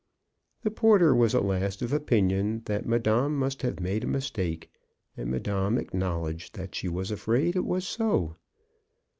The porter was at last of opinion that madame must have made a mistake, and madame acknowledged that she was afraid it was so.